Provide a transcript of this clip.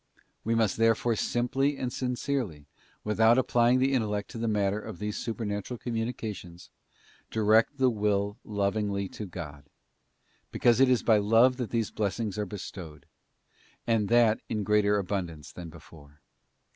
'* We must therefore simply and sincerely, without applying the intellect to the matter of these super natural communications, direct the will lovingly to God, because it is by love that these blessings are bestowed, and that in greater abundance than before.